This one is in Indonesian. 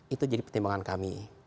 itu jadi pertimbangan kami